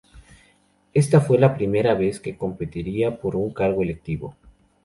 Esta fue la primera vez que competiría por un cargo electivo.